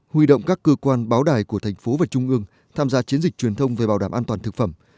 huy động các cơ quan báo đài của thành phố và trung ương tham gia chiến dịch truyền thông về bảo đảm an toàn thực phẩm